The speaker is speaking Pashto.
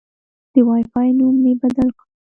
د وای فای نوم مې بدل کړ.